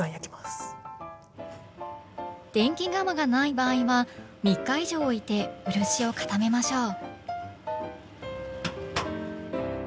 電気釜がない場合は３日以上おいて漆を固めましょう。